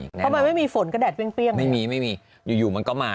เพราะมันไม่มีฝนกระแดดเปรี้ยงไม่มีไม่มีอยู่มันก็มา